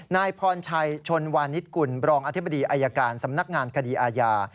นายพรชัยชนวานิสกุลบรองอธิบดีอายการสำนักงานคดีอาญา